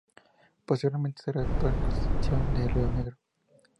Posteriormente se redactó la Constitución de Rionegro.